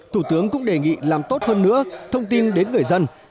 thủ tướng cũng đề nghị làm tốt hơn nữa thông tin đến người dân